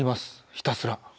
ひたすら。